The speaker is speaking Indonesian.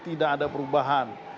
tidak ada perubahan